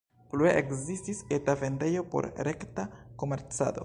Plue ekzistis eta vendejo por rekta komercado.